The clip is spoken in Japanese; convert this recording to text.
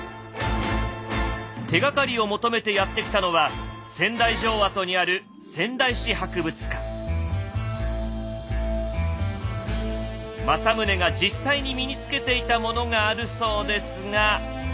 手がかりを求めてやって来たのは仙台城跡にある政宗が実際に身につけていたものがあるそうですが。